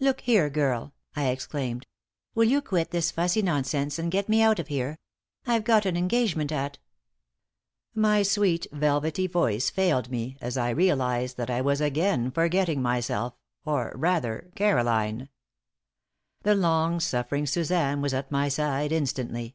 "Look here, girl," I exclaimed, "will you quit this fussy nonsense and get me out of here? I've got an engagement at " My sweet, velvety voice failed me as I realized that I was again forgetting myself, or, rather, Caroline. The long suffering Suzanne was at my side, instantly.